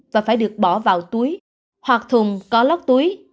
và phải được bỏ vào túi hoặc thùng có lóc túi